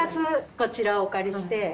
こちらをお借りして。